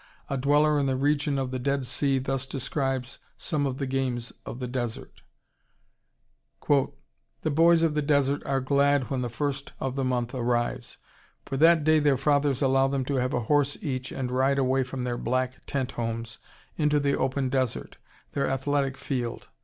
A dweller in the region of the Dead Sea thus describes some of the games of the desert: "The boys of the desert are glad when the first of the month comes. For that day their fathers allow them to have a horse each and ride away from their black tent homes into the open desert, their athletic field.